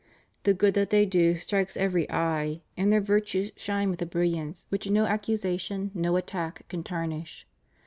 The good that they do strikes every eye, and their virtues shine with a brilliance which no accusa tion, no attack, can tarnish.